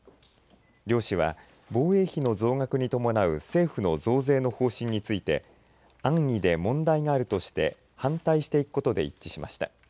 両氏は防衛費の増額に伴う政府の増税の方針について安易で問題があるとして反対していくことで一致しました。